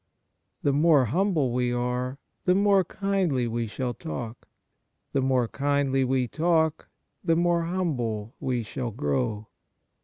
The more humble we are, the more kindly we shall talk ; the more kindly we talk, the more humble we shall grow.